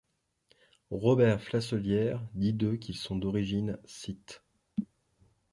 Robert Flacelière dit d'eux qu'ils sont d'origine scythe.